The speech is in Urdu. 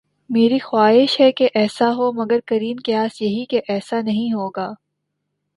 میری خواہش ہے کہ ایسا ہو مگر قرین قیاس یہی کہ ایسا نہیں ہو گا۔